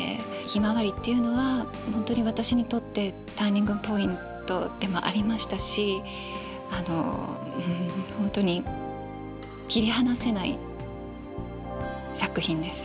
「ひまわり」っていうのは本当に私にとってターニングポイントでもありましたし本当に切り離せない作品です。